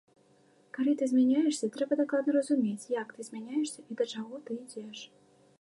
Калі ты змяняешся, трэба дакладна разумець, як ты змяняешся і да чаго ты ідзеш.